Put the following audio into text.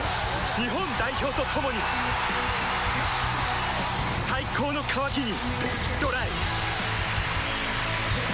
日本代表と共に最高の渇きにＤＲＹ